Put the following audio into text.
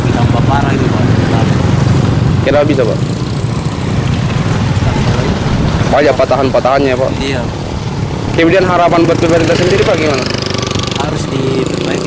banyak patah patahannya pak kemudian harapan bertubuh kita sendiri bagaimana harus diperbaiki